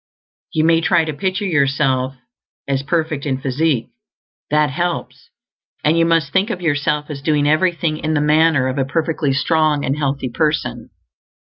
You may TRY to picture yourself as perfect in physique; that helps; and you MUST think of yourself as doing everything in the manner of a perfectly strong and healthy person.